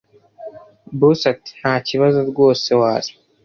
boss ati”ntakibazo rwose waza”